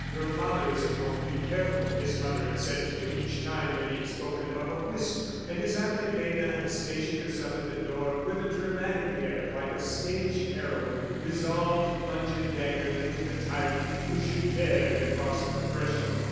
"Your father is at home, be careful," his mother had said to him each time that he had spoken above a whisper. And his Aunt Elena had stationed herself at the door with a dramatic air, like a stage heroine resolved to plunge a dagger into the tyrant who should dare to cross the threshold.